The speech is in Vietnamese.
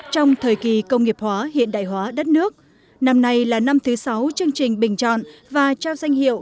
trong thời kỳ công nghiệp hóa hiện đại hóa đất nước năm nay là năm thứ sáu chương trình bình chọn và trao danh hiệu